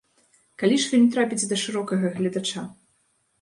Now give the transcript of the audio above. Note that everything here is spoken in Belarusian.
Калі ж фільм трапіць да шырокага гледача?